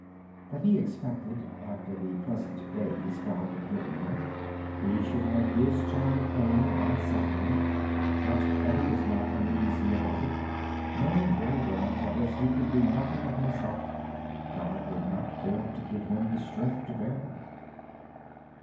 He expected after the pleasant days God had given him, he would have his turn of pain and suffering. Yet he was not uneasy about it. Knowing that, since he could do nothing of himself, God would not fail to give him the strength to bear them.